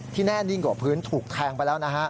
ที่แน่นิ่งกล่อพื้นถูกแทงไปแล้ว